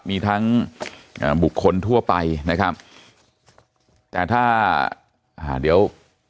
มีทั้งอ่าบุคคลทั่วไปนะครับแต่ถ้าอ่าเดี๋ยว